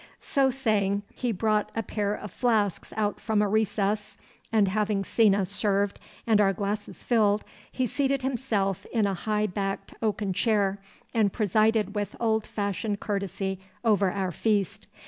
So saying, he brought a pair of flasks out from a recess, and having seen us served and our glasses filled, he seated himself in a high backed oaken chair and presided with old fashioned courtesy over our feast.